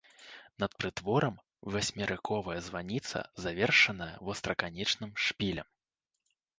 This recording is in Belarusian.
Над прытворам васьмерыковая званіца, завершаная востраканечным шпілем.